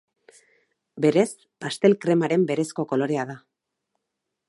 Berez, pastel-kremaren berezko kolorea da.